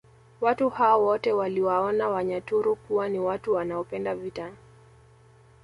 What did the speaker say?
Watu hao wote waliwaona Wanyaturu kuwa ni watu wanaopenda vita